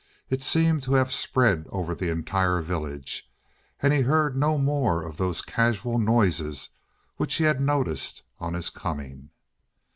It seemed to have spread over the entire village, and he heard no more of those casual noises which he had noticed on his coming.